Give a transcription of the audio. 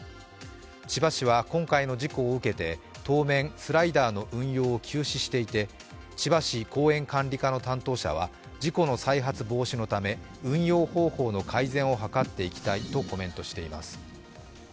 千葉市は今回の事故を受けて当面、スライダーの運用を休止していて千葉市公園管理課の担当者は事故の再発防止のため運用方法の改善を図っていきたいとコメントしています。